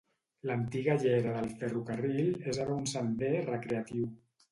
L'antiga llera del ferrocarril és ara un sender recreatiu.